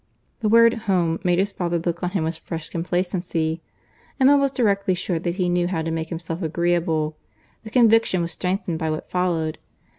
The word home made his father look on him with fresh complacency. Emma was directly sure that he knew how to make himself agreeable; the conviction was strengthened by what followed.